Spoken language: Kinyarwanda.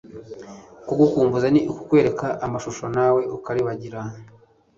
Kugukumbuza ni ukukwereka amashusho nawe ukaribagira.